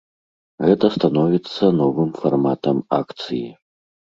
Гэта становіцца новым фарматам акцыі.